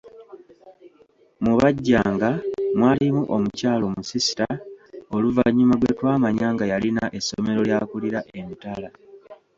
Mu bajjanga mwalimu omukyala omusisita oluvannyuma gwe twamanya nga yalina essomero ly'akulira emitala.